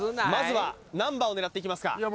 まずは何番を狙っていきますか？